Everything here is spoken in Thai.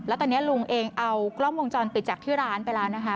แล้วตอนนี้ลุงเองเอากล้องวงจรปิดจากที่ร้านไปแล้วนะคะ